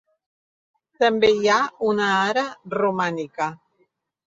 També hi ha una ara romànica.